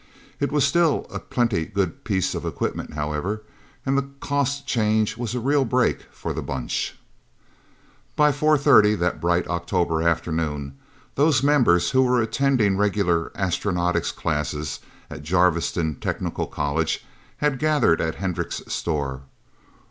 It was still a plenty good piece of equipment, however; and the cost change was a real break for the Bunch. By 4:30 that bright October afternoon, those members who were attending regular astronautics classes at Jarviston Technical College had gathered at Hendricks' store.